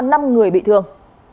năm người bị thương